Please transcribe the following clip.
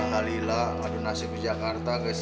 nggak ada nasi di jakarta